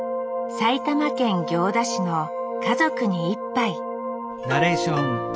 埼玉県行田市の「家族に一杯」